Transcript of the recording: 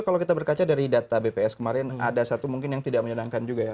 kalau kita berkaca dari data bps kemarin ada satu mungkin yang tidak menyenangkan juga ya